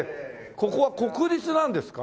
ここは国立なんですか？